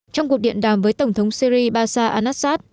trong cuộc điện đàm với tổng thống syri basar al nasrat